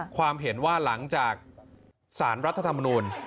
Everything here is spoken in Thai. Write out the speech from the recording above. ความเห็นว่าหลังจากสารรัฐธรรมนูล